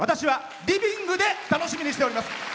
私はリビングで楽しみにしております。